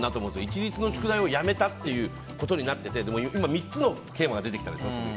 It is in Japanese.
一律の宿題をやめたっていうことになっててでも、今３つのテーマが出てきたでしょ。